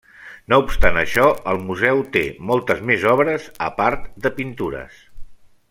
No obstant això, el museu té moltes més obres a part de pintures.